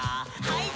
はい。